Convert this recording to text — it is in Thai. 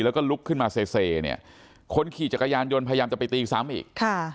แล้วก็ลุกขึ้นมาเซเนี่ยคนขี่จักรยานยนต์พยายามจะไปตีซ้ำอีกค่ะ